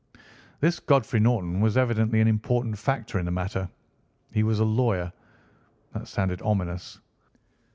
"This Godfrey Norton was evidently an important factor in the matter. He was a lawyer. That sounded ominous.